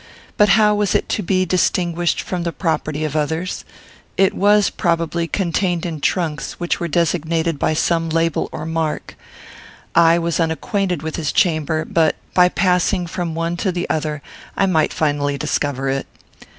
But how was it to be distinguished from the property of others? It was, probably, contained in trunks, which were designated by some label or mark. I was unacquainted with his chamber, but, by passing from one to the other, I might finally discover it.